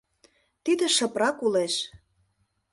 Тиде шыпрак улеш.